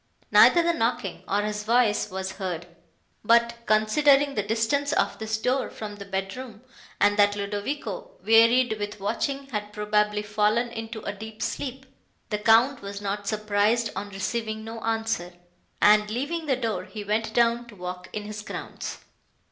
Neither the knocking, nor his voice was heard; but, considering the distance of this door from the bedroom, and that Ludovico, wearied with watching, had probably fallen into a deep sleep, the Count was not surprised on receiving no answer, and, leaving the door, he went down to walk in his grounds.